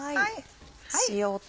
塩と。